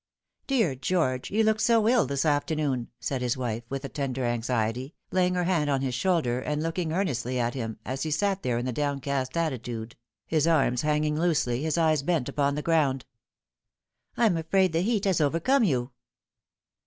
" Dear George, you look so ill this afternoon," said his wife, with tender anxiety, laying her hand on his shoulder, and look ing earnestly at him, as he sat there in a downcast attitude, his arms hanging loosely, his eyes bent upon the ground. " I'm afraid the heat has overcome you."